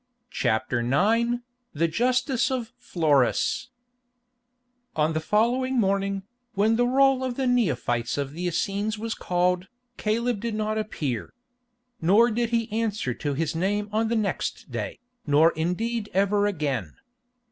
CHAPTER IX THE JUSTICE OF FLORUS On the following morning, when the roll of the neophytes of the Essenes was called, Caleb did not appear. Nor did he answer to his name on the next day, or indeed ever again.